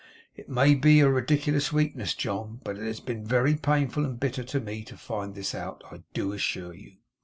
It may be a ridiculous weakness, John, but it has been very painful and bitter to me to find this out, I do assure you.